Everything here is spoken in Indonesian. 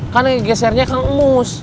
kan yang digesernya kang emus